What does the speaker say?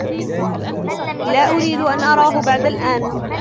لا أريد أن أراه بعد الآن.